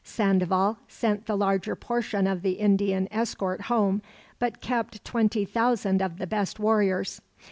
Sandoval sent the larger portion of the Indian escort home, but kept twenty thousand of the best warriors.